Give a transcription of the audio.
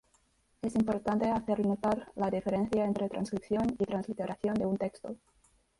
Es importante hacer notar la diferencia entre transcripción y transliteración de un texto.